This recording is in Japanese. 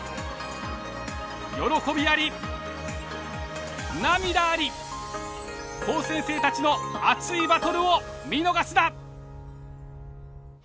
喜びあり涙あり高専生たちの熱いバトルを見逃すな！